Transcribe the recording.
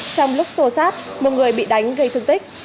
trong lúc xô sát một người bị đánh gây thương tích